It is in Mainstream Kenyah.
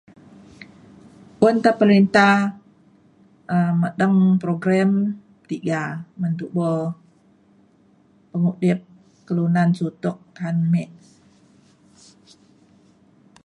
un ta perintah um medeng program tiga ngan tubo pemudip kelunan sutok ka’ang me